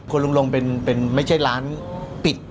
คุณลุงลงเป็นไม่ใช่ร้านปิด